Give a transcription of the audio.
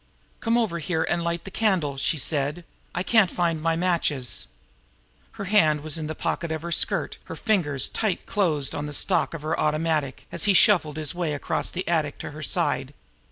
"Come over here and light the candle," she said. "I can't find my matches." Her hand was in the pocket of her skirt now, her fingers tight closed on the stock of her automatic, as he shuffled his way across the attic to her side.